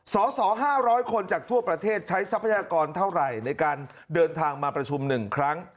สส๕๐๐คนจากทั่วประเทศใช้ทรัพยากรเท่าไหร่ในการเดินทางมาประชุม๑ครั้ง